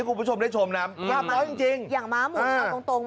ให้คุณผู้ชมได้ชมน่ะอืมจริงจริงอย่างม้าหมุนข่าวตรงตรง